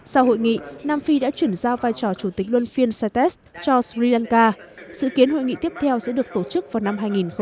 sau hội nghị nam phi đã chuyển giao vai trò chủ tịch luân phiên saitas cho sri lanka sự kiến hội nghị tiếp theo sẽ được tổ chức vào năm hai nghìn hai mươi